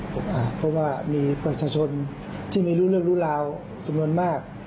เพราะว่ามีประชาชนที่ไม่รู้เรื่องรู้ราวจำนวนมาก